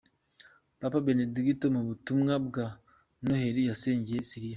Papa Benedigito mu butumwa bwa Noheli yasengeye Siriya